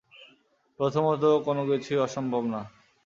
প্রথমত, কোনো কিছুই অসম্ভব না।